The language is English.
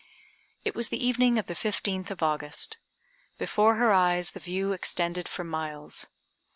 It was the evening of the fifteenth of August. Before her eyes the view extended for miles.